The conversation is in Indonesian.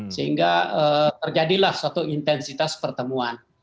sehingga terjadilah suatu intensitas pertemuan